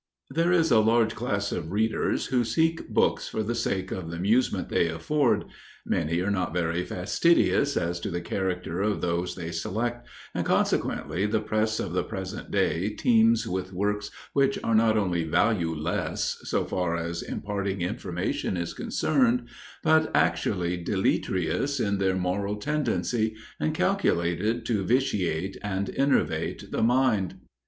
There is a large class of readers who seek books for the sake of the amusement they afford. Many are not very fastidious as to the character of those they select, and consequently the press of the present day teems with works which are not only valueless, so far as imparting information is concerned, but actually deleterious in their moral tendency, and calculated to vitiate and enervate the mind.